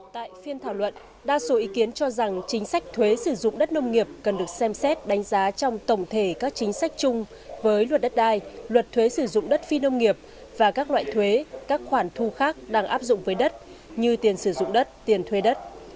tại phiên thảo luận đa số ý kiến cho rằng chính sách thuế sử dụng đất nông nghiệp cần được xem xét đánh giá trong tổng thể các chính sách chung với luật đất đai luật thuế sử dụng đất phi nông nghiệp và các loại thuế các khoản thu khác đang áp dụng với đất như tiền sử dụng đất tiền thuê đất